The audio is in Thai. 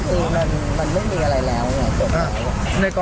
ก็คือมันไม่มีอะไรแล้วเนี่ย